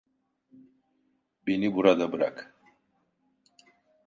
Beni burada bırak.